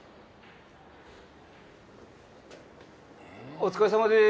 お疲れさまです。